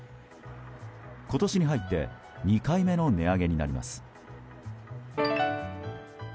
今年に入って２回目の値上げになります。